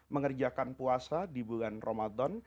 mengerjakan puasa di bulan ramadan